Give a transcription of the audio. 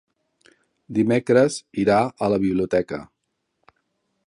Dimecres irà a la biblioteca.